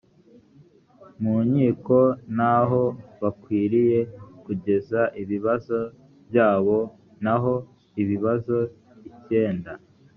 mu nkiko n aho bakwiriye kugeza ibibazo byabo naho ibibazo icyenda